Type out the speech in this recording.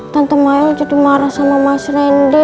tante mail jadi marah sama mas randy